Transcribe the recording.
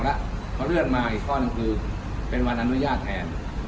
เลื่อนมาอีกข้อนมีคำสั่งวันอนุญาตแถม